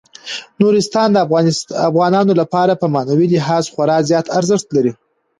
نورستان د افغانانو لپاره په معنوي لحاظ خورا زیات ارزښت لري.